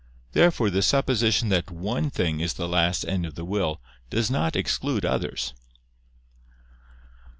Therefore the supposition that one thing is the last end of the will does not exclude others.